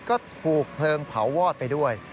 ก็ถูกเพลิงเผาวอดไปด้วย